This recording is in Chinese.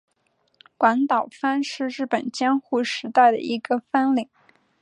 广岛藩是日本江户时代的一个藩领。